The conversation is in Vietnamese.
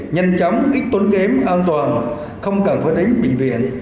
nhanh chóng ít tốn kém an toàn không cần phải đến bệnh viện